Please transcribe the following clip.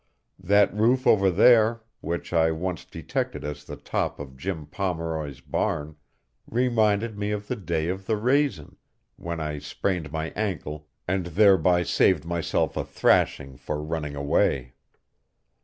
That roof over there, which I once detected as the top of Jim Pomeroy's barn, reminded me of the day of the raisin', when I sprained my ankle and thereby saved myself a thrashing for running away.